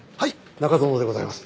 中園でございます。